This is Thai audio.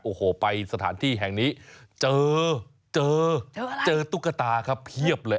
โอ้โหไปสถานที่แห่งนี้เจอเจอตุ๊กตาครับเพียบเลย